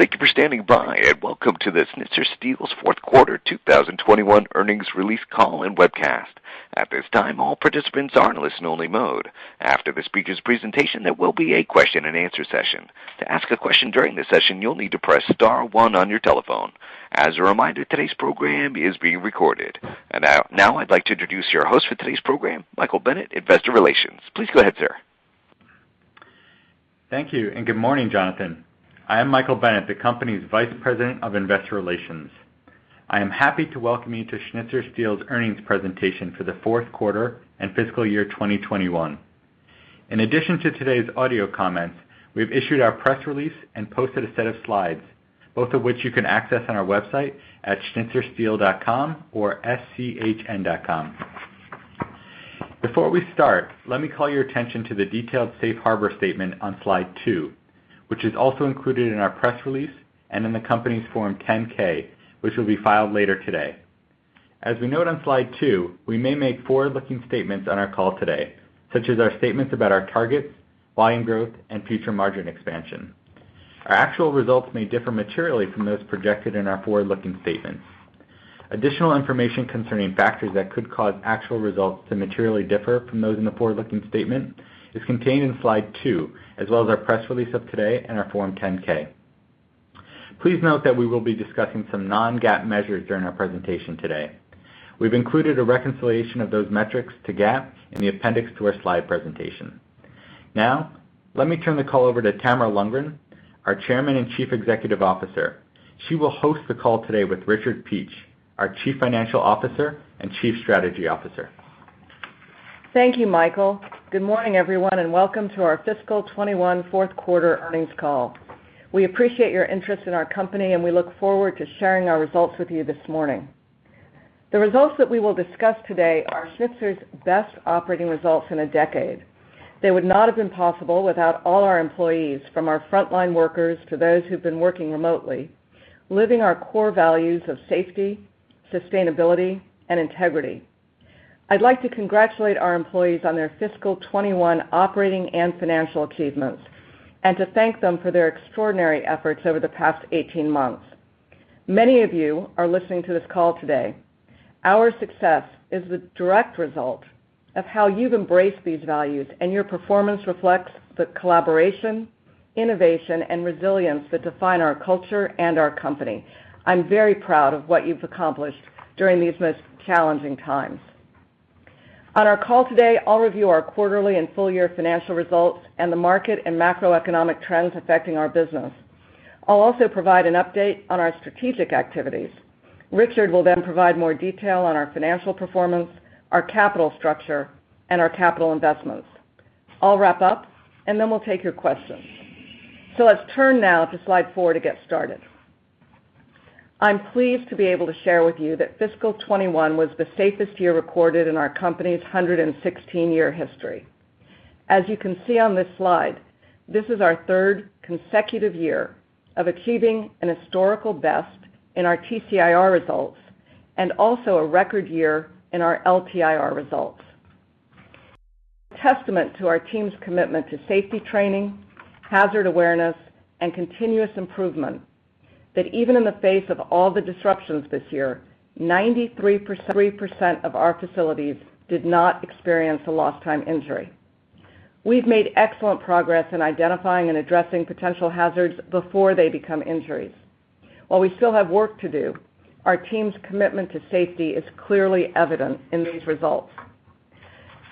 Thank you for standing by. Welcome to the Schnitzer Steel's fourth quarter 2021 earnings release call and webcast. At this time, all participants are in listen only mode. After the speaker's presentation, there will be a question and answer session. To ask a question during the session, you'll need to press star one on your telephone. As a reminder, today's program is being recorded. Now I'd like to introduce your host for today's program, Michael Bennett, Vice President of Investor Relations. Please go ahead, sir. Thank you, and good morning, Jonathan. I am Michael Bennett, the company's Vice President of Investor Relations. I am happy to welcome you to Schnitzer Steel's earnings presentation for the fourth quarter and fiscal year 2021. In addition to today's audio comments, we've issued our press release and posted a set of slides, both of which you can access on our website at schnitzersteel.com or schn.com. Before we start, let me call your attention to the detailed safe harbor statement on slide two, which is also included in our press release and in the company's Form 10-K, which will be filed later today. As we note on slide two, we may make forward-looking statements on our call today, such as our statements about our targets, volume growth, and future margin expansion. Our actual results may differ materially from those projected in our forward-looking statements. Additional information concerning factors that could cause actual results to materially differ from those in the forward-looking statement is contained in slide two, as well as our press release of today and our Form 10-K. Please note that we will be discussing some non-GAAP measures during our presentation today. We've included a reconciliation of those metrics to GAAP in the appendix to our slide presentation. Now, let me turn the call over to Tamara Lundgren, our Chairman and Chief Executive Officer. She will host the call today with Richard Peach, our Chief Financial Officer and Chief Strategy Officer. Thank you, Michael. Good morning, everyone, and welcome to our fiscal 2021 fourth quarter earnings call. We appreciate your interest in our company, and we look forward to sharing our results with you this morning. The results that we will discuss today are Schnitzer's best operating results in a decade. They would not have been possible without all our employees, from our frontline workers to those who've been working remotely, living our core values of safety, sustainability, and integrity. I'd like to congratulate our employees on their fiscal 2021 operating and financial achievements, and to thank them for their extraordinary efforts over the past 18 months. Many of you are listening to this call today. Our success is the direct result of how you've embraced these values, and your performance reflects the collaboration, innovation, and resilience that define our culture and our company. I'm very proud of what you've accomplished during these most challenging times. On our call today, I'll review our quarterly and full year financial results and the market and macroeconomic trends affecting our business. I'll also provide an update on our strategic activities. Richard will then provide more detail on our financial performance, our capital structure, and our capital investments. I'll wrap up, and then we'll take your questions. Let's turn now to slide four to get started. I'm pleased to be able to share with you that fiscal 2021 was the safest year recorded in our company's 116-year history. As you can see on this slide, this is our third consecutive year of achieving an historical best in our TCIR results and also a record year in our LTIR results. Testament to our team's commitment to safety training, hazard awareness, and continuous improvement, that even in the face of all the disruptions this year, 93% of our facilities did not experience a lost time injury. We've made excellent progress in identifying and addressing potential hazards before they become injuries. While we still have work to do, our team's commitment to safety is clearly evident in these results.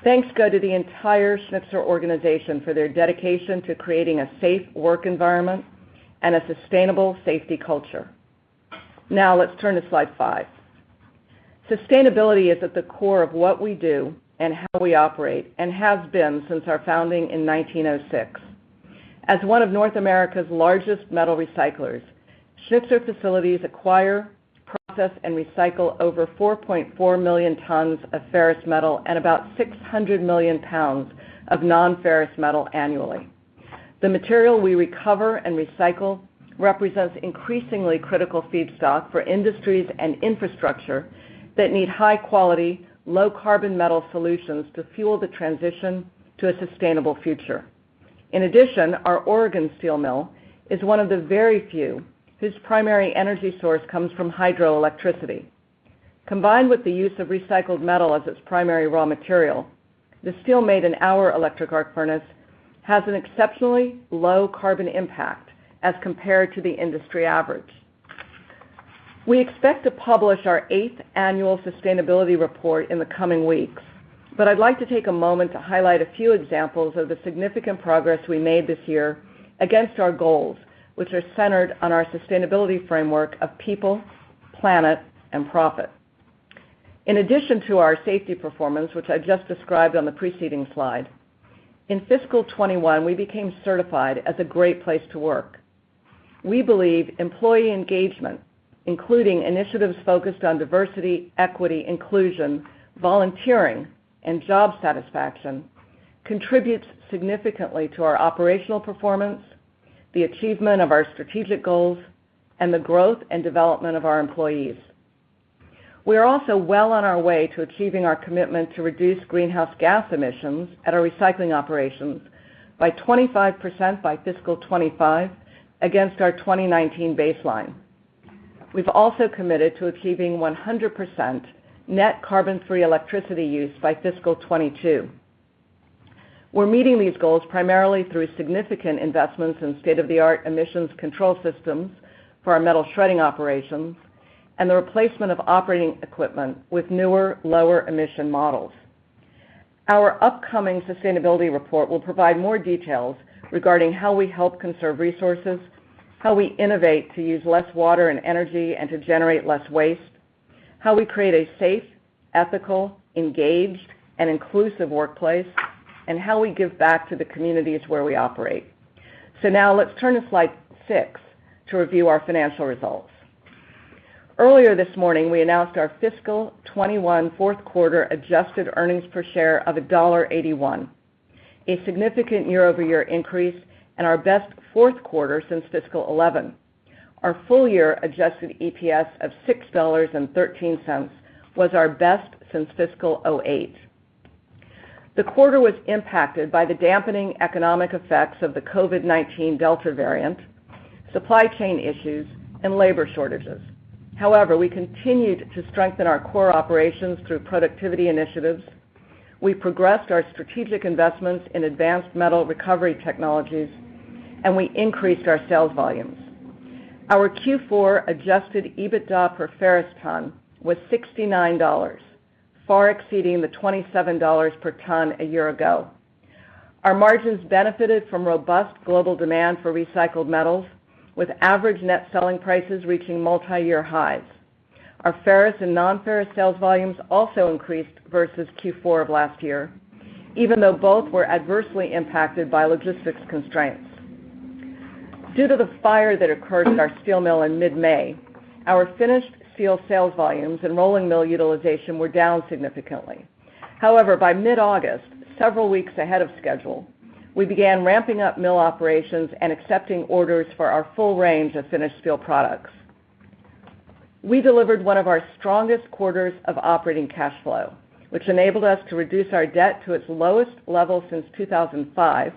Thanks go to the entire Schnitzer organization for their dedication to creating a safe work environment and a sustainable safety culture. Now let's turn to slide five. Sustainability is at the core of what we do and how we operate, and has been since our founding in 1906. As one of North America's largest metal recyclers, Schnitzer facilities acquire, process, and recycle over 4.4 million tons of ferrous metal and about 600 million pounds of non-ferrous metal annually. The material we recover and recycle represents increasingly critical feedstock for industries and infrastructure that need high-quality, low-carbon metal solutions to fuel the transition to a sustainable future. In addition, our Oregon steel mill is one of the very few whose primary energy source comes from hydroelectricity. Combined with the use of recycled metal as its primary raw material, the steel made in our electric arc furnace has an exceptionally low carbon impact as compared to the industry average. We expect to publish our eighth annual sustainability report in the coming weeks, but I'd like to take a moment to highlight a few examples of the significant progress we made this year against our goals, which are centered on our sustainability framework of people, planet, and profit. In addition to our safety performance, which I just described on the preceding slide, in fiscal 2021, we became certified as a Great Place to Work. We believe employee engagement, including initiatives focused on Diversity, Equity, Inclusion, volunteering, and job satisfaction, contributes significantly to our operational performance, the achievement of our strategic goals, and the growth and development of our employees. We are also well on our way to achieving our commitment to reduce greenhouse gas emissions at our recycling operations by 25% by fiscal 2025 against our 2019 baseline. We've also committed to achieving 100% net carbon-free electricity use by fiscal 2022. We're meeting these goals primarily through significant investments in state-of-the-art emissions control systems for our metal shredding operations and the replacement of operating equipment with newer, lower emission models. Our upcoming sustainability report will provide more details regarding how we help conserve resources, how we innovate to use less water and energy and to generate less waste, how we create a safe, ethical, engaged, and inclusive workplace, and how we give back to the communities where we operate. Now let's turn to slide six to review our financial results. Earlier this morning, we announced our fiscal 2021 fourth quarter adjusted earnings per share of $1.81, a significant year-over-year increase, and our best fourth quarter since fiscal 2011. Our full-year adjusted EPS of $6.13 was our best since fiscal 2008. The quarter was impacted by the dampening economic effects of the COVID-19 Delta variant, supply chain issues, and labor shortages. We continued to strengthen our core operations through productivity initiatives. We progressed our strategic investments in advanced metal recovery technologies, and we increased our sales volumes. Our Q4 adjusted EBITDA per ferrous ton was $69, far exceeding the $27 per ton a year ago. Our margins benefited from robust global demand for recycled metals, with average net selling prices reaching multiyear highs. Our ferrous and non-ferrous sales volumes also increased versus Q4 of last year, even though both were adversely impacted by logistics constraints. Due to the fire that occurred in our steel mill in mid-May, our finished steel sales volumes and rolling mill utilization were down significantly. However, by mid-August, several weeks ahead of schedule, we began ramping up mill operations and accepting orders for our full range of finished steel products. We delivered one of our strongest quarters of operating cash flow, which enabled us to reduce our debt to its lowest level since 2005,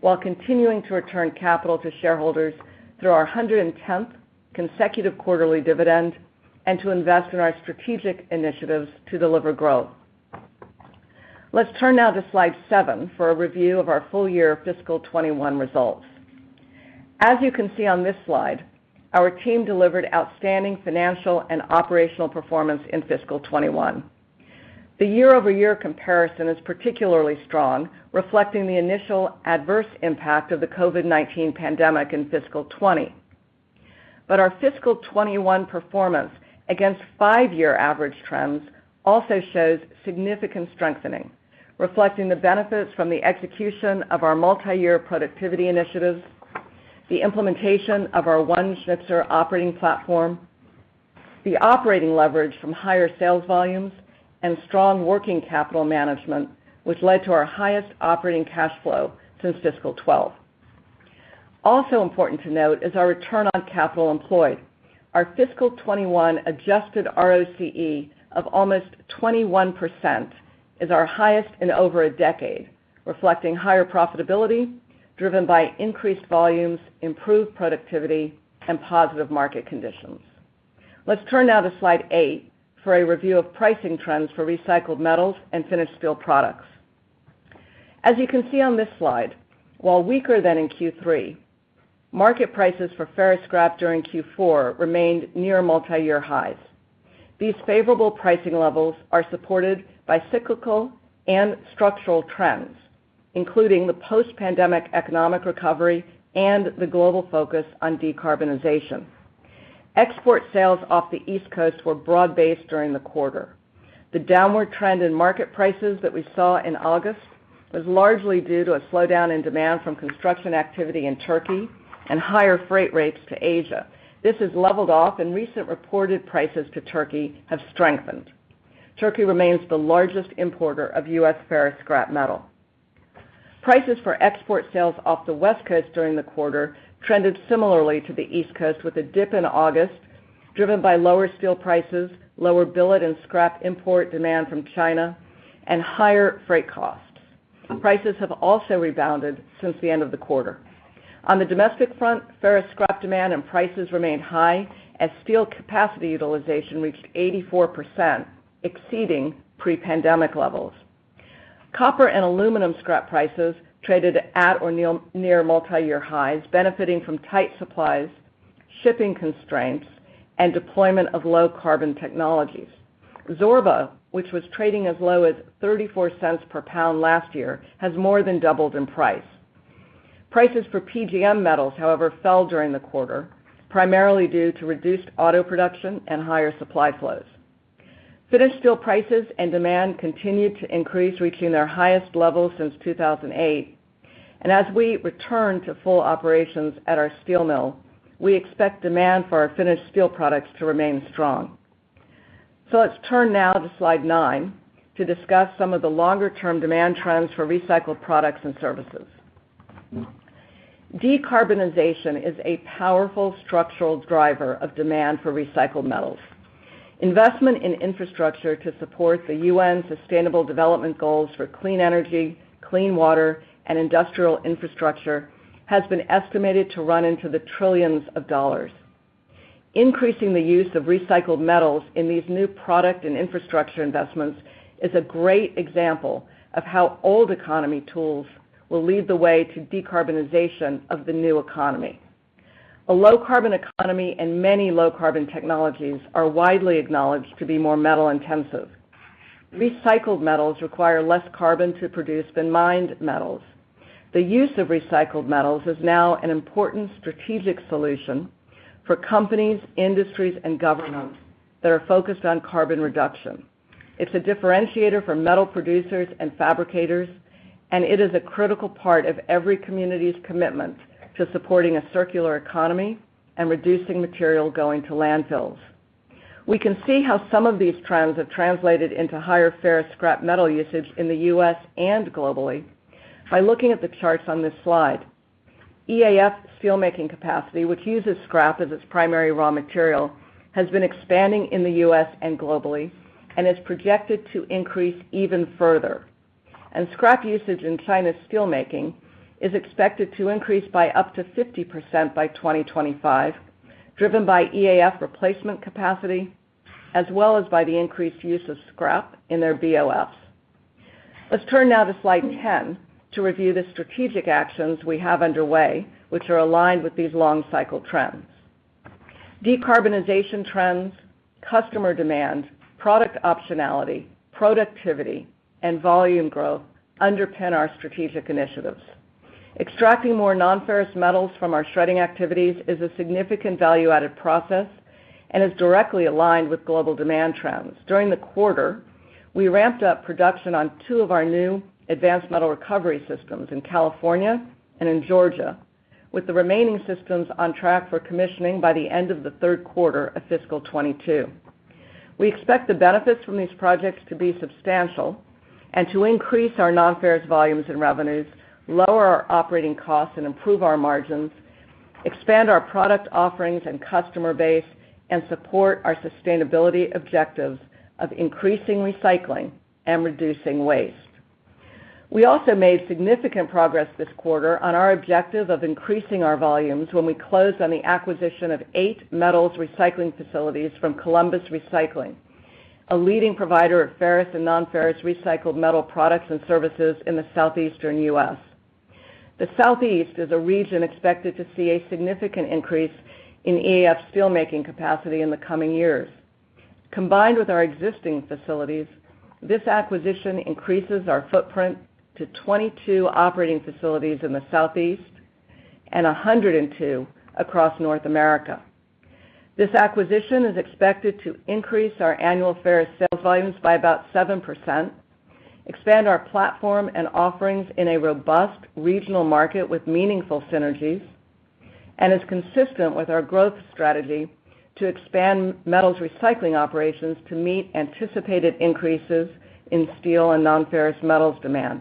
while continuing to return capital to shareholders through our 110th consecutive quarterly dividend and to invest in our strategic initiatives to deliver growth. Let's turn now to slide seven for a review of our full year fiscal 2021 results. As you can see on this slide, our team delivered outstanding financial and operational performance in fiscal 2021. The year-over-year comparison is particularly strong, reflecting the initial adverse impact of the COVID-19 pandemic in fiscal 2020. Our fiscal 2021 performance against five-year average trends also shows significant strengthening, reflecting the benefits from the execution of our multiyear productivity initiatives, the implementation of our One Schnitzer operating platform, the operating leverage from higher sales volumes, and strong working capital management, which led to our highest operating cash flow since fiscal 2012. Also important to note is our return on capital employed. Our fiscal 2021 adjusted ROCE of almost 21% is our highest in over a decade, reflecting higher profitability driven by increased volumes, improved productivity, and positive market conditions. Let's turn now to slide eight for a review of pricing trends for recycled metals and finished steel products. As you can see on this slide, while weaker than in Q3, market prices for ferrous scrap during Q4 remained near multiyear highs. These favorable pricing levels are supported by cyclical and structural trends, including the post-pandemic economic recovery and the global focus on decarbonization. Export sales off the East Coast were broad-based during the quarter. The downward trend in market prices that we saw in August was largely due to a slowdown in demand from construction activity in Turkey and higher freight rates to Asia. This has leveled off, and recent reported prices to Turkey have strengthened. Turkey remains the largest importer of U.S. ferrous scrap metal. Prices for export sales off the West Coast during the quarter trended similarly to the East Coast, with a dip in August, driven by lower steel prices, lower billet and scrap import demand from China, and higher freight costs. Prices have also rebounded since the end of the quarter. On the domestic front, ferrous scrap demand and prices remained high as steel capacity utilization reached 84%, exceeding pre-pandemic levels. Copper and aluminum scrap prices traded at or near multiyear highs, benefiting from tight supplies, shipping constraints, and deployment of low-carbon technologies. Zorba, which was trading as low as $0.34 per pound last year, has more than doubled in price. Prices for PGM metals, however, fell during the quarter, primarily due to reduced auto production and higher supply flows. Finished steel prices and demand continued to increase, reaching their highest level since 2008, and as we return to full operations at our steel mill, we expect demand for our finished steel products to remain strong. Let's turn now to slide nine to discuss some of the longer-term demand trends for recycled products and services. Decarbonization is a powerful structural driver of demand for recycled metals. Investment in infrastructure to support the UN Sustainable Development Goals for clean energy, clean water, and industrial infrastructure has been estimated to run into the trillions of dollars. Increasing the use of recycled metals in these new product and infrastructure investments is a great example of how old economy tools will lead the way to decarbonization of the new economy. A low-carbon economy and many low-carbon technologies are widely acknowledged to be more metal-intensive. Recycled metals require less carbon to produce than mined metals. The use of recycled metals is now an important strategic solution for companies, industries, and governments that are focused on carbon reduction. It's a differentiator for metal producers and fabricators, and it is a critical part of every community's commitment to supporting a circular economy and reducing material going to landfills. We can see how some of these trends have translated into higher ferrous scrap metal usage in the U.S. and globally by looking at the charts on this slide. EAF steelmaking capacity, which uses scrap as its primary raw material, has been expanding in the U.S. and globally and is projected to increase even further. Scrap usage in China's steelmaking is expected to increase by up to 50% by 2025, driven by EAF replacement capacity, as well as by the increased use of scrap in their BOFs. Let's turn now to slide 10 to review the strategic actions we have underway, which are aligned with these long-cycle trends. Decarbonization trends, customer demand, product optionality, productivity, and volume growth underpin our strategic initiatives. Extracting more non-ferrous metals from our shredding activities is a significant value-added process and is directly aligned with global demand trends. During the quarter, we ramped up production on two of our new advanced metal recovery systems in California and in Georgia, with the remaining systems on track for commissioning by the end of the third quarter of fiscal 2022. We expect the benefits from these projects to be substantial and to increase our non-ferrous volumes and revenues, lower our operating costs and improve our margins, expand our product offerings and customer base, and support our sustainability objectives of increasing recycling and reducing waste. We also made significant progress this quarter on our objective of increasing our volumes when we closed on the acquisition of eight metals recycling facilities from Columbus Recycling, a leading provider of ferrous and non-ferrous recycled metal products and services in the southeastern U.S. The Southeast is a region expected to see a significant increase in EAF steelmaking capacity in the coming years. Combined with our existing facilities, this acquisition increases our footprint to 22 operating facilities in the Southeast and 102 across North America. This acquisition is expected to increase our annual ferrous sales volumes by about 7%, expand our platform and offerings in a robust regional market with meaningful synergies, and is consistent with our growth strategy to expand metals recycling operations to meet anticipated increases in steel and non-ferrous metals demand.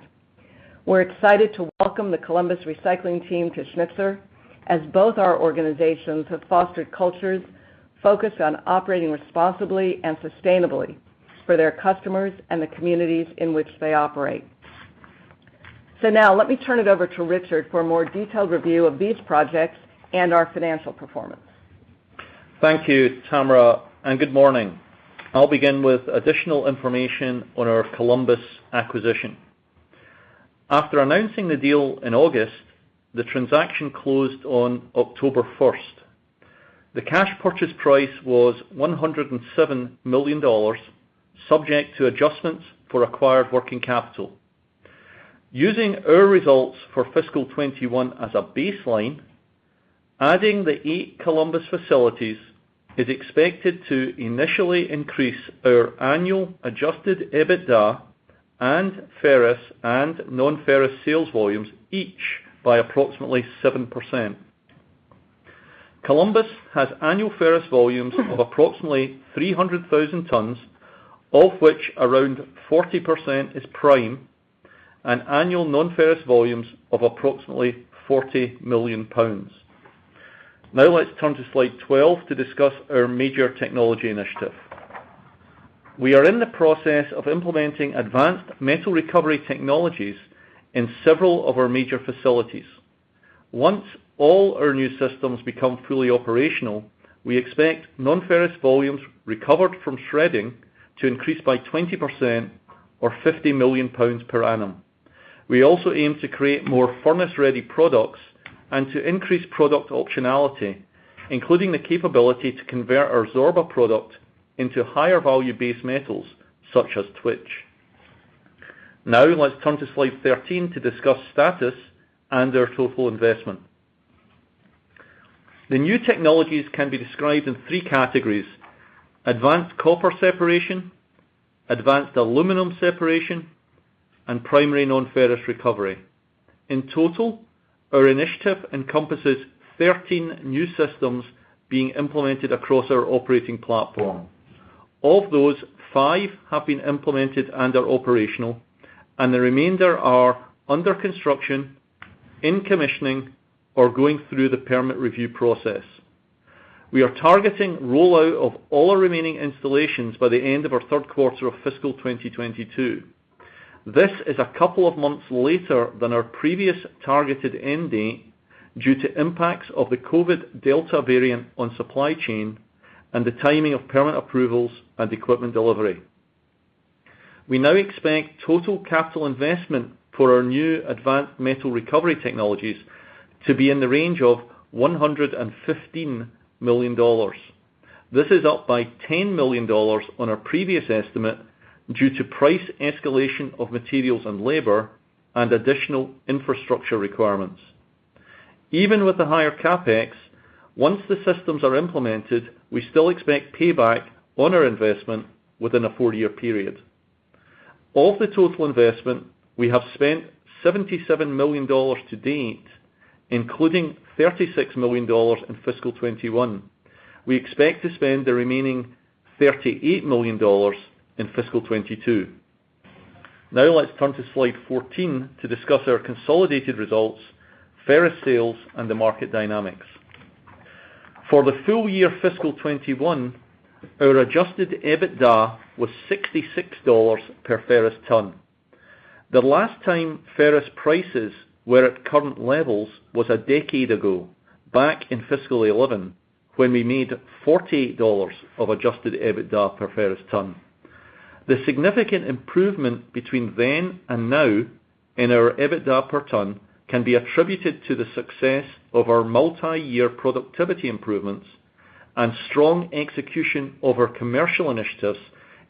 We're excited to welcome the Columbus Recycling team to Schnitzer, as both our organizations have fostered cultures focused on operating responsibly and sustainably for their customers and the communities in which they operate. Now let me turn it over to Richard for a more detailed review of these projects and our financial performance. Thank you, Tamara. Good morning. I'll begin with additional information on our Columbus acquisition. After announcing the deal in August, the transaction closed on October 1st. The cash purchase price was $107 million, subject to adjustments for acquired working capital. Using our results for fiscal 2021 as a baseline, adding the eight Columbus facilities is expected to initially increase our annual adjusted EBITDA and ferrous and non-ferrous sales volumes each by approximately 7%. Columbus has annual ferrous volumes of approximately 300,000 tons, of which around 40% is prime, and annual non-ferrous volumes of approximately 40 million pounds. Now let's turn to slide 12 to discuss our major technology initiative. We are in the process of implementing advanced metal recovery technologies in several of our major facilities. Once all our new systems become fully operational, we expect non-ferrous volumes recovered from shredding to increase by 20%, or 50 million pounds per annum. We also aim to create more furnace-ready products and to increase product optionality, including the capability to convert our Zorba product into higher value base metals, such as Twitch. Let's turn to slide 13 to discuss status and our total investment. The new technologies can be described in three categories: advanced copper separation, advanced aluminum separation, and primary non-ferrous recovery. In total, our initiative encompasses 13 new systems being implemented across our operating platform. Of those, five have been implemented and are operational, and the remainder are under construction, in commissioning, or going through the permit review process. We are targeting rollout of all our remaining installations by the end of our third quarter of fiscal 2022. This is a couple of months later than our previous targeted end date due to impacts of the COVID Delta variant on supply chain and the timing of permit approvals and equipment delivery. We now expect total capital investment for our new advanced metal recovery technologies to be in the range of $115 million. This is up by $10 million on our previous estimate due to price escalation of materials and labor and additional infrastructure requirements. Even with the higher CapEx, once the systems are implemented, we still expect payback on our investment within a four-year period. Of the total investment, we have spent $77 million to date, including $36 million in fiscal 2021. We expect to spend the remaining $38 million in fiscal 2022. Now let's turn to slide 14 to discuss our consolidated results, ferrous sales, and the market dynamics. For the full year fiscal 2021, our adjusted EBITDA was $66 per ferrous ton. The last time ferrous prices were at current levels was a decade ago, back in fiscal 2011, when we made $48 of adjusted EBITDA per ferrous ton. The significant improvement between then and now in our EBITDA per ton can be attributed to the success of our multiyear productivity improvements and strong execution of our commercial initiatives,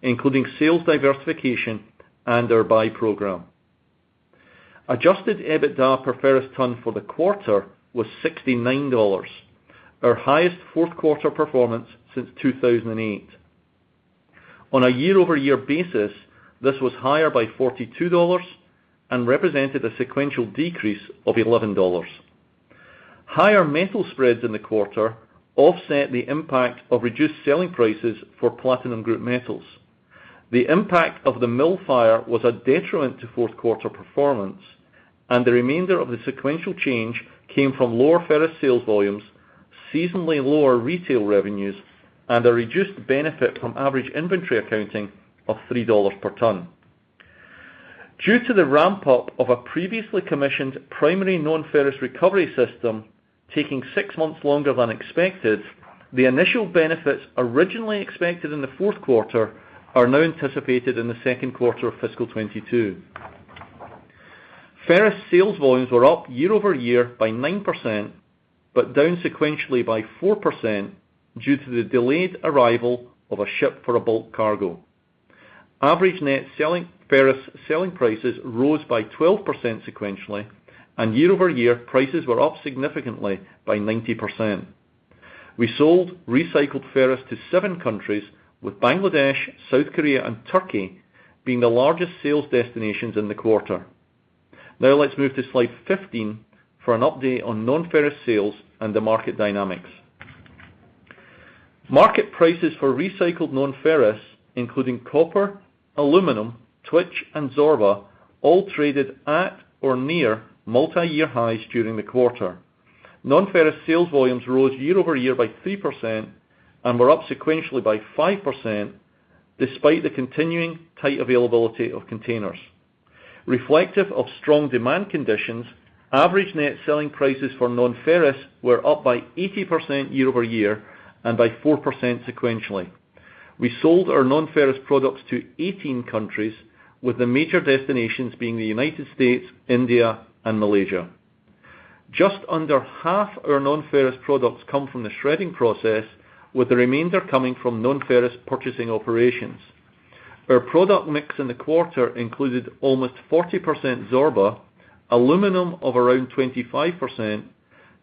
including sales diversification and our buy program. Adjusted EBITDA per ferrous ton for the quarter was $69, our highest fourth quarter performance since 2008. On a year-over-year basis, this was higher by $42 and represented a sequential decrease of $11. Higher metal spreads in the quarter offset the impact of reduced selling prices for platinum group metals. The impact of the mill fire was a detriment to fourth quarter performance, and the remainder of the sequential change came from lower ferrous sales volumes, seasonally lower retail revenues, and a reduced benefit from average inventory accounting of $3 per ton. Due to the ramp-up of a previously commissioned primary non-ferrous recovery system taking six months longer than expected, the initial benefits originally expected in the fourth quarter are now anticipated in the 2nd quarter of fiscal 2022. Ferrous sales volumes were up year-over-year by 9%, but down sequentially by 4% due to the delayed arrival of a ship for a bulk cargo. Average net ferrous selling prices rose by 12% sequentially, and year-over-year, prices were up significantly by 90%. We sold recycled ferrous to seven countries, with Bangladesh, South Korea, and Turkey being the largest sales destinations in the quarter. Let's move to slide 15 for an update on non-ferrous sales and the market dynamics. Market prices for recycled non-ferrous, including copper, aluminum, Twitch, and Zorba, all traded at or near multiyear highs during the quarter. Non-ferrous sales volumes rose year-over-year by 3% and were up sequentially by 5%, despite the continuing tight availability of containers. Reflective of strong demand conditions, average net selling prices for non-ferrous were up by 80% year-over-year and by 4% sequentially. We sold our non-ferrous products to 18 countries, with the major destinations being the United States, India, and Malaysia. Just under half our non-ferrous products come from the shredding process, with the remainder coming from non-ferrous purchasing operations. Our product mix in the quarter included almost 40% Zorba, aluminum of around 25%,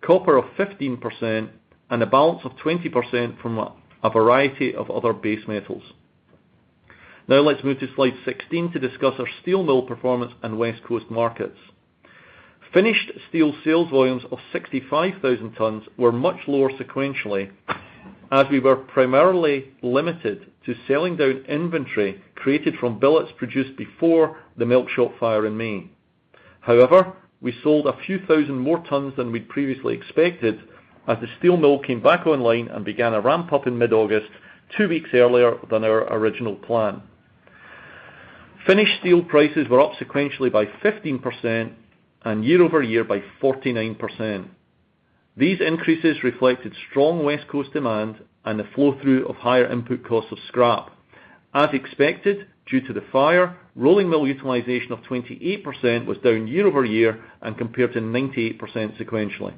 copper of 15%, and a balance of 20% from a variety of other base metals. Now let's move to slide 16 to discuss our steel mill performance and West Coast markets. Finished steel sales volumes of 65,000 tons were much lower sequentially as we were primarily limited to selling down inventory created from billets produced before the melt shop fire in May. However, we sold a few thousand more tons than we'd previously expected as the steel mill came back online and began a ramp-up in mid-August, two weeks earlier than our original plan. Finished steel prices were up sequentially by 15% and year-over-year by 49%. These increases reflected strong West Coast demand and the flow-through of higher input costs of scrap. As expected, due to the fire, rolling mill utilization of 28% was down year-over-year and compared to 98% sequentially.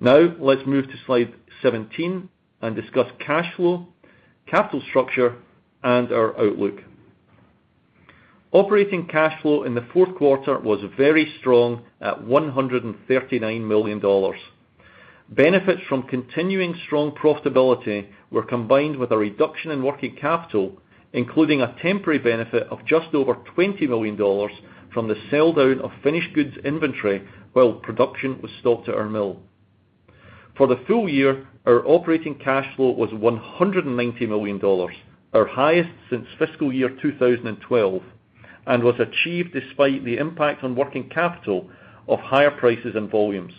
Now let's move to slide 17 and discuss cash flow, capital structure, and our outlook. Operating cash flow in the fourth quarter was very strong at $139 million. Benefits from continuing strong profitability were combined with a reduction in working capital, including a temporary benefit of just over $20 million from the sell-down of finished goods inventory while production was stopped at our mill. For the full year, our operating cash flow was $190 million, our highest since fiscal year 2012, and was achieved despite the impact on working capital of higher prices and volumes.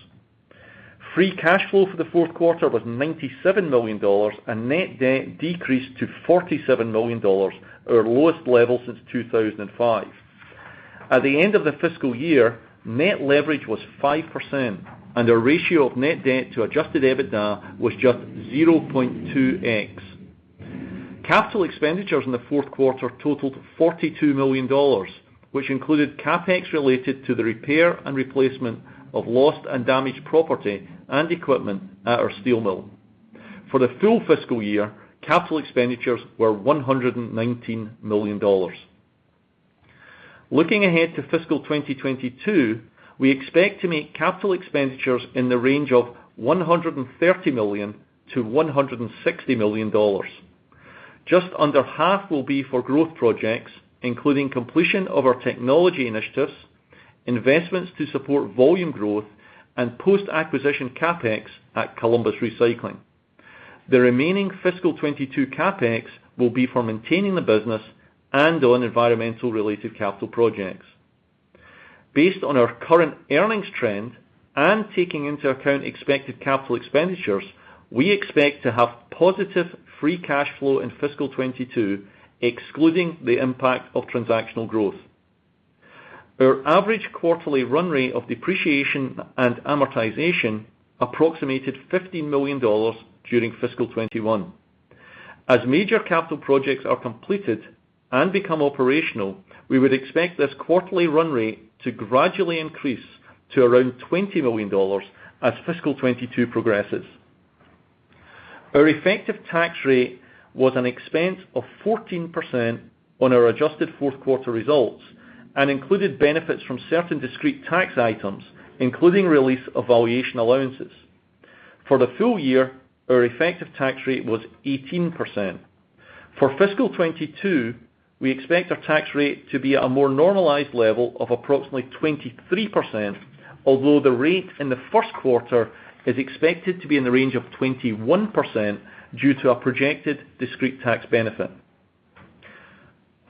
Free cash flow for the fourth quarter was $97 million, and net debt decreased to $47 million, our lowest level since 2005. At the end of the fiscal year, net leverage was 5%, and our ratio of net debt to adjusted EBITDA was just 0.2x. Capital expenditures in the fourth quarter totaled $42 million, which included CapEx related to the repair and replacement of lost and damaged property and equipment at our steel mill. For the full fiscal year, capital expenditures were $119 million. Looking ahead to fiscal 2022, we expect to make capital expenditures in the range of $130 million-$160 million. Just under half will be for growth projects, including completion of our technology initiatives, investments to support volume growth, and post-acquisition CapEx at Columbus Recycling. The remaining fiscal 2022 CapEx will be for maintaining the business and on environmental-related capital projects. Based on our current earnings trend and taking into account expected capital expenditures, we expect to have positive free cash flow in fiscal 2022, excluding the impact of transactional growth. Our average quarterly run rate of depreciation and amortization approximated $15 million during fiscal 2021. As major capital projects are completed and become operational, we would expect this quarterly run rate to gradually increase to around $20 million as fiscal 2022 progresses. Our effective tax rate was an expense of 14% on our adjusted fourth quarter results and included benefits from certain discrete tax items, including release of valuation allowances. For the full year, our effective tax rate was 18%. For fiscal 2022, we expect our tax rate to be at a more normalized level of approximately 23%, although the rate in the first quarter is expected to be in the range of 21% due to a projected discrete tax benefit.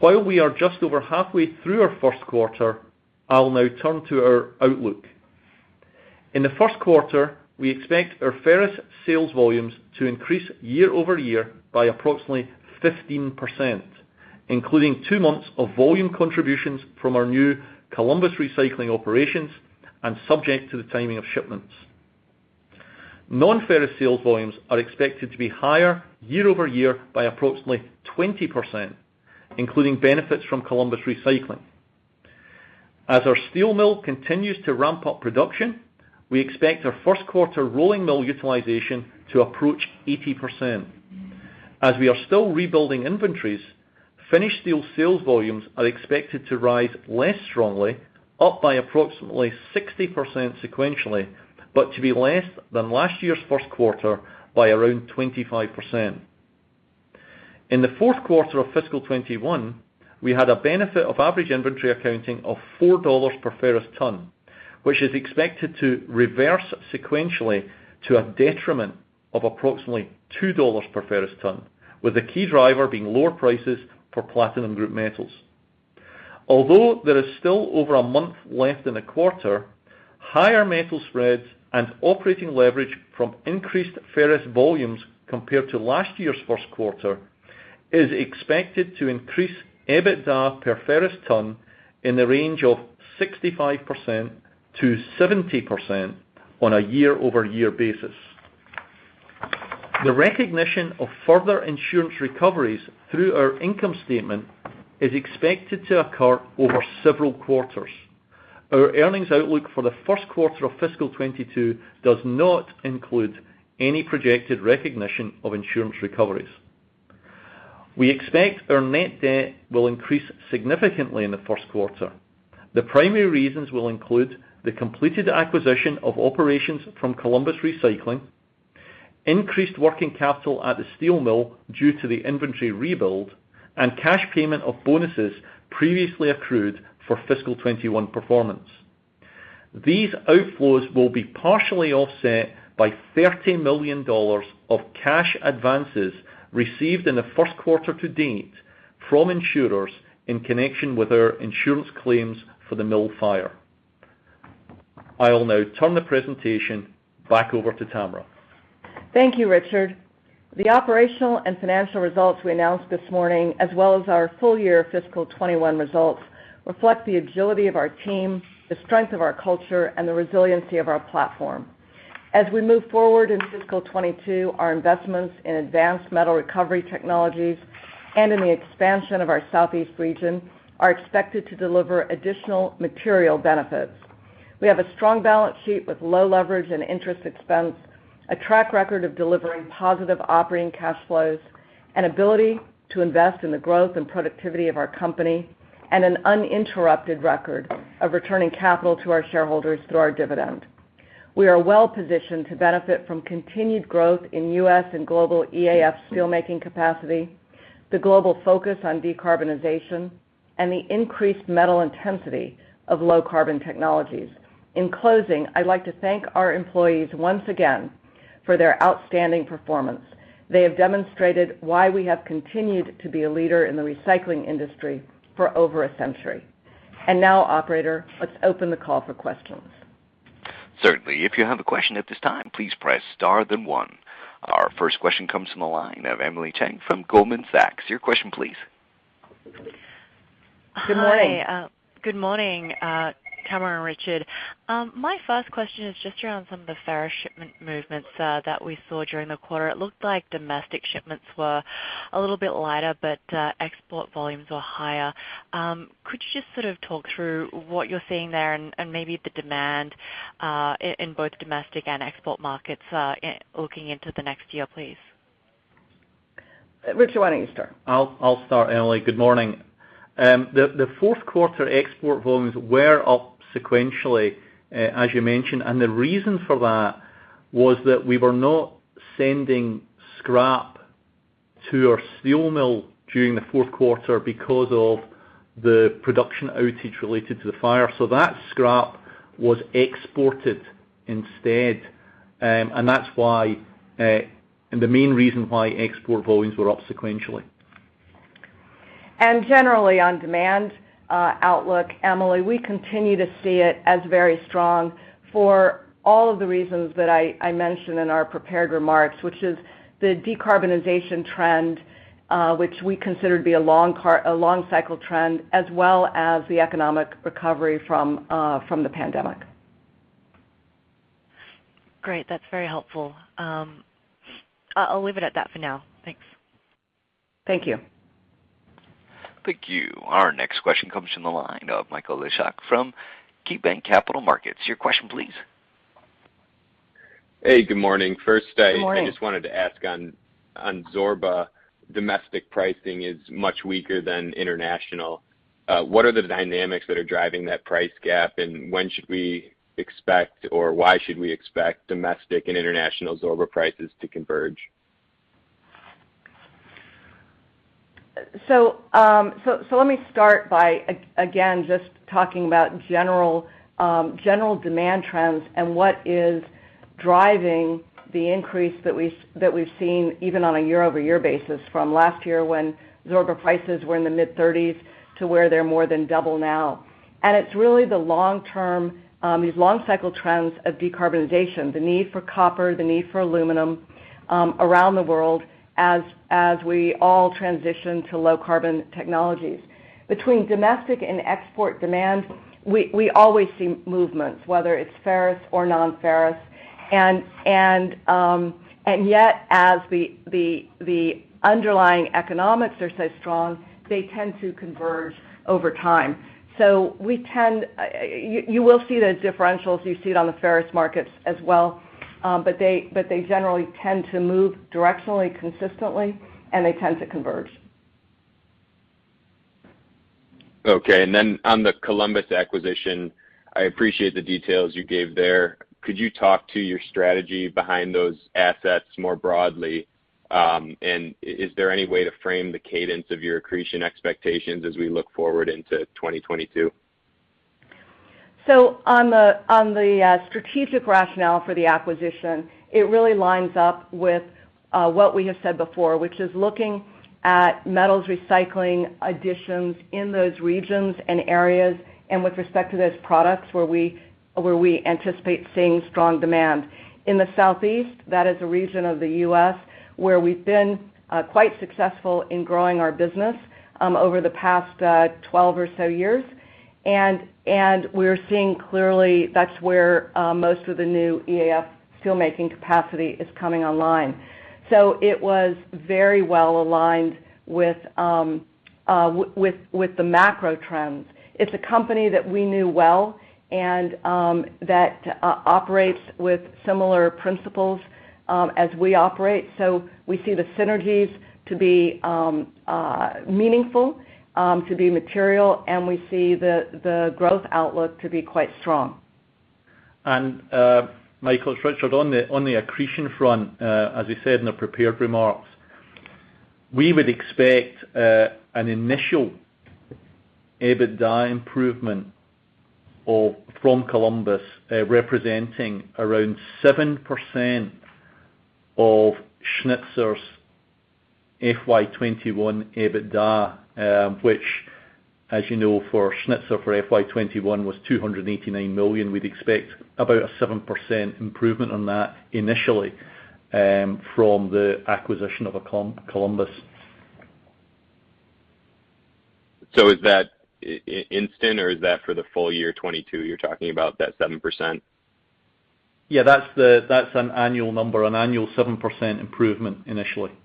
While we are just over halfway through our first quarter, I'll now turn to our outlook. In the first quarter, we expect our ferrous sales volumes to increase year-over-year by approximately 15%, including two months of volume contributions from our new Columbus Recycling operations and subject to the timing of shipments. Non-ferrous sales volumes are expected to be higher year-over-year by approximately 20%, including benefits from Columbus Recycling. As our steel mill continues to ramp up production, we expect our first quarter rolling mill utilization to approach 80%. As we are still rebuilding inventories, finished steel sales volumes are expected to rise less strongly, up by approximately 60% sequentially, but to be less than last year's first quarter by around 25%. In the fourth quarter of fiscal 2021, we had a benefit of average inventory accounting of $4 per ferrous ton, which is expected to reverse sequentially to a detriment of approximately $2 per ferrous ton, with the key driver being lower prices for platinum group metals. Although there is still over 1 month left in the quarter, higher metal spreads and operating leverage from increased ferrous volumes compared to last year's first quarter is expected to increase EBITDA per ferrous ton in the range of 65%-70% on a year-over-year basis. The recognition of further insurance recoveries through our income statement is expected to occur over several quarters. Our earnings outlook for the first quarter of fiscal 2022 does not include any projected recognition of insurance recoveries. We expect our net debt will increase significantly in the first quarter. The primary reasons will include the completed acquisition of operations from Columbus Recycling, increased working capital at the steel mill due to the inventory rebuild, and cash payment of bonuses previously accrued for fiscal 2021 performance. These outflows will be partially offset by $30 million of cash advances received in the first quarter to date from insurers in connection with our insurance claims for the mill fire. I'll now turn the presentation back over to Tamara. Thank you, Richard. The operational and financial results we announced this morning, as well as our full year fiscal 2021 results, reflect the agility of our team, the strength of our culture, and the resiliency of our platform. As we move forward in fiscal 2022, our investments in advanced metal recovery technologies and in the expansion of our Southeast region are expected to deliver additional material benefits. We have a strong balance sheet with low leverage and interest expense, a track record of delivering positive operating cash flows, an ability to invest in the growth and productivity of our company, and an uninterrupted record of returning capital to our shareholders through our dividend. We are well positioned to benefit from continued growth in U.S. and global EAF steelmaking capacity, the global focus on decarbonization and the increased metal intensity of low carbon technologies. In closing, I'd like to thank our employees once again for their outstanding performance. They have demonstrated why we have continued to be a leader in the recycling industry for over a century. Now, operator, let's open the call for questions. Certainly. If you have a question at this time, please press star then one. Our first question comes from the line of Emily Chieng from Goldman Sachs. Your question, please. Good morning. Hi. Good morning, Tamara and Richard. My first question is just around some of the ferrous shipment movements that we saw during the quarter. It looked like domestic shipments were a little bit lighter, but export volumes were higher. Could you just sort of talk through what you're seeing there and maybe the demand, in both domestic and export markets, looking into the next year, please? Richard, why don't you start? I'll start, Emily. Good morning. The fourth quarter export volumes were up sequentially, as you mentioned. The reason for that was that we were not sending scrap to our steel mill during the fourth quarter because of the production outage related to the fire. That scrap was exported instead. The main reason why export volumes were up sequentially. Generally on demand outlook, Emily, we continue to see it as very strong for all of the reasons that I mentioned in our prepared remarks, which is the decarbonization trend, which we consider to be a long cycle trend, as well as the economic recovery from the pandemic. Great. That's very helpful. I'll leave it at that for now. Thanks. Thank you. Thank you. Our next question comes from the line of Michael Leshock from KeyBanc Capital Markets. Your question, please. Hey, good morning. Good morning. First, I just wanted to ask on Zorba, domestic pricing is much weaker than international. What are the dynamics that are driving that price gap, and when should we expect or why should we expect domestic and international Zorba prices to converge? Let me start by, again, just talking about general demand trends and what is driving the increase that we've seen even on a year-over-year basis from last year when Zorba prices were in the mid-$30s to where they're more than double now. It's really these long cycle trends of decarbonization, the need for copper, the need for aluminum around the world as we all transition to low carbon technologies. Between domestic and export demand, we always see movements, whether it's ferrous or non-ferrous, and yet as the underlying economics are so strong, they tend to converge over time. You will see those differentials, you see it on the ferrous markets as well, but they generally tend to move directionally consistently, and they tend to converge. Okay, on the Columbus acquisition, I appreciate the details you gave there. Could you talk to your strategy behind those assets more broadly? Is there any way to frame the cadence of your accretion expectations as we look forward into 2022? On the strategic rationale for the acquisition, it really lines up with what we have said before, which is looking at metals recycling additions in those regions and areas and with respect to those products where we anticipate seeing strong demand. In the Southeast, that is a region of the U.S. where we've been quite successful in growing our business over the past 12 or so years. We're seeing clearly that's where most of the new EAF steel making capacity is coming online. It was very well aligned with the macro trends. It's a company that we knew well and that operates with similar principles as we operate. We see the synergies to be meaningful, to be material, and we see the growth outlook to be quite strong. Michael, it's Richard. On the accretion front, as we said in the prepared remarks, we would expect an initial EBITDA improvement from Columbus, representing around 7% of Schnitzer's FY 2021 EBITDA, which as you know, for Schnitzer for FY 2021 was $289 million. We'd expect about a 7% improvement on that initially, from the acquisition of Columbus. Is that instant, or is that for the full year 2022, you're talking about that 7%? That's an annual number, an annual 7% improvement initially. Okay.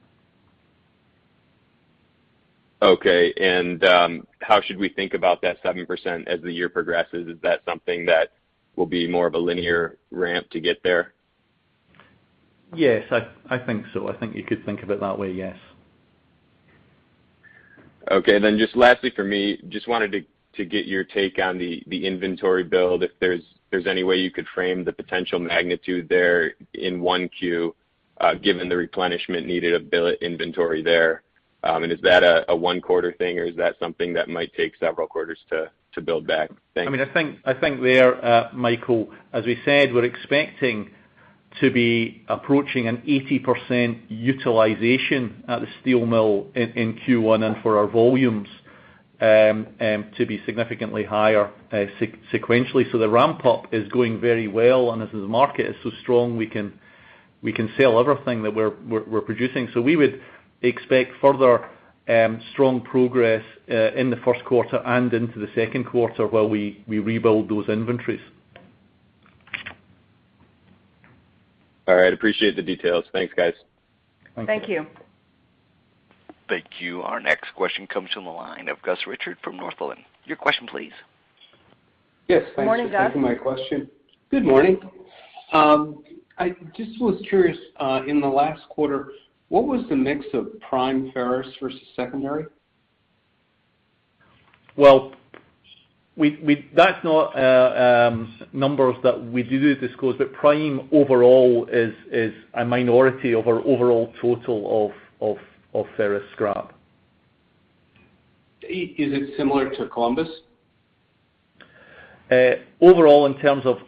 How should we think about that 7% as the year progresses? Is that something that will be more of a linear ramp to get there? Yes, I think so. I think you could think of it that way, yes. Okay, just lastly for me, just wanted to get your take on the inventory build, if there's any way you could frame the potential magnitude there in 1Q. Given the replenishment needed of inventory there, and is that a one-quarter thing or is that something that might take several quarters to build back? Thanks. I think there, Michael, as we said, we're expecting to be approaching an 80% utilization at the steel mill in Q1 and for our volumes to be significantly higher sequentially. The ramp-up is going very well, and as the market is so strong, we can sell everything that we're producing. We would expect further strong progress in the first quarter and into the second quarter while we rebuild those inventories. All right. Appreciate the details. Thanks, guys. Thank you. Thank you. Our next question comes from the line of Gus Richard from Northland. Your question, please. Morning, Gus. Yes, thanks for taking my question. Good morning. I just was curious, in the last quarter, what was the mix of prime ferrous versus secondary? Well, that's not numbers that we do disclose, but prime overall is a minority of our overall total of ferrous scrap. Is it similar to Columbus? Overall, in terms of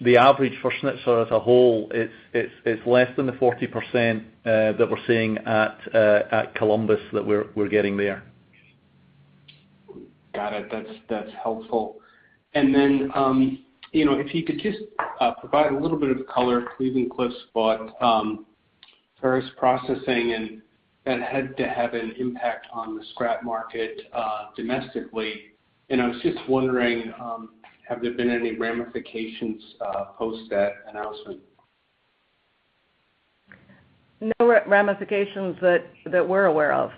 the average for Schnitzer as a whole, it's less than the 40% that we're seeing at Columbus that we're getting there. Got it. That's helpful. If you could just provide a little bit of color. Cleveland-Cliffs bought Ferrous Processing and that had to have an impact on the scrap market domestically. I was just wondering, have there been any ramifications post that announcement? No ramifications that we're aware of.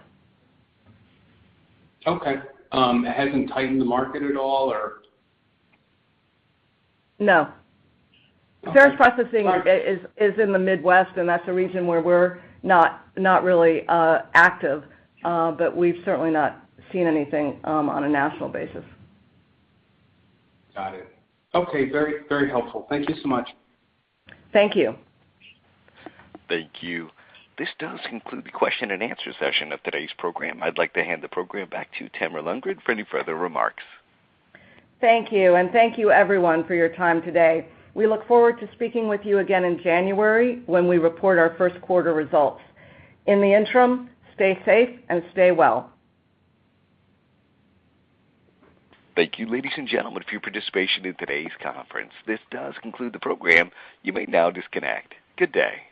Okay. It hasn't tightened the market at all or? No. Okay. Ferrous Processing is in the Midwest, that's a region where we're not really active. We've certainly not seen anything on a national basis. Got it. Okay. Very helpful. Thank you so much. Thank you. Thank you. This does conclude the question and answer session of today's program. I'd like to hand the program back to Tamara Lundgren for any further remarks. Thank you, and thank you, everyone, for your time today. We look forward to speaking with you again in January when we report our first quarter results. In the interim, stay safe and stay well. Thank you, ladies and gentlemen, for your participation in today's conference. This does conclude the program. You may now disconnect. Good day.